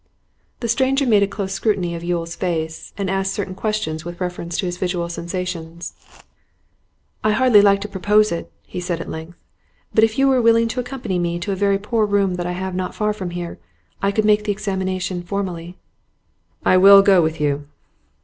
The stranger made a close scrutiny of Yule's face, and asked certain questions with reference to his visual sensations. 'I hardly like to propose it,' he said at length, 'but if you were willing to accompany me to a very poor room that I have not far from here, I could make the examination formally.' 'I will go with you.